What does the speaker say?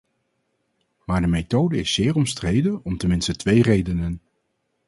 Maar de methode is zeer omstreden om tenminste twee redenen.